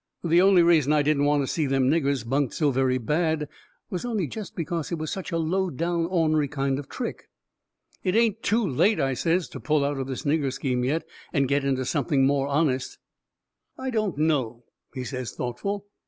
The only reason I didn't want to see them niggers bunked so very bad was only jest because it was such a low down, ornery kind of trick. "It ain't too late," I says, "to pull out of this nigger scheme yet and get into something more honest." "I don't know," he says thoughtful.